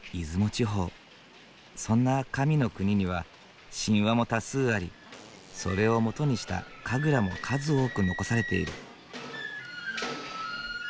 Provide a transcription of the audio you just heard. そんな神の国には神話も多数ありそれを基にした神楽も数多く残されている。